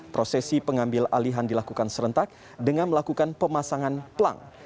prosesi pengambil alihan dilakukan serentak dengan melakukan pemasangan pelang